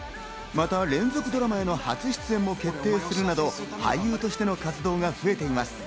連続ドラマの初出演も決定するなど俳優としての活動が増えています。